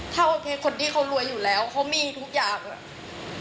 ถ้าโอเคคนที่เขารวยอยู่แล้วเขามีทุกอย่างอะ